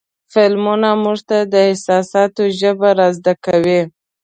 فلمونه موږ ته د احساساتو ژبه را زده کوي.